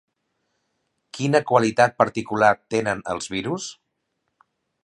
Quina qualitat particular tenen els virus?